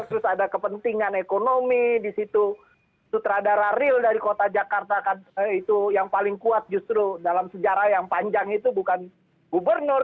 terus ada kepentingan ekonomi di situ sutradara real dari kota jakarta itu yang paling kuat justru dalam sejarah yang panjang itu bukan gubernur